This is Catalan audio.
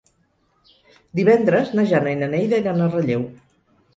Divendres na Jana i na Neida iran a Relleu.